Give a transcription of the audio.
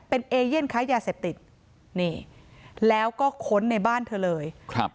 เป็นเอเย่นค้ายาเสพติดนี่แล้วก็ค้นในบ้านเธอเลยครับ